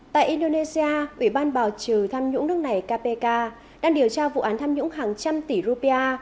tại indonesia ủy ban bảo trừ tham nhũng nước này kpk đang điều tra vụ án tham nhũng hàng trăm tỷ rupia